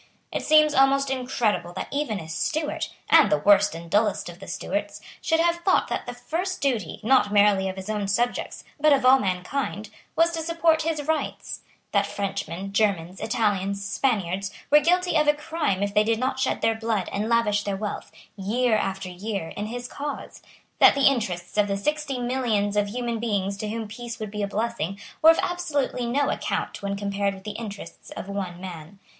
It seems almost incredible that even a Stuart, and the worst and dullest of the Stuarts, should have thought that the first duty, not merely of his own subjects, but of all mankind, was to support his rights; that Frenchmen, Germans, Italians, Spaniards, were guilty of a crime if they did not shed their blood and lavish their wealth, year after year, in his cause; that the interests of the sixty millions of human beings to whom peace would be a blessing were of absolutely no account when compared with the interests of one man.